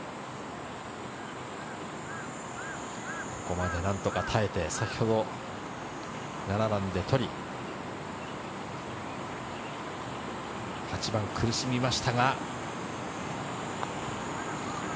ここまで何とか耐えて、先ほど７番で取り、８番、苦しみましたが。